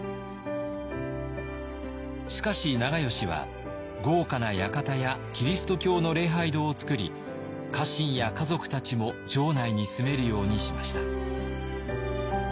しかし長慶は豪華な館やキリスト教の礼拝堂を造り家臣や家族たちも城内に住めるようにしました。